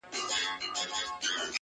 زه هم عادي یم، هر څه سم دي